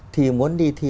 thì muốn đi thi